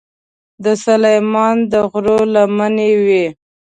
د سلیمان د غرو لمنې وې.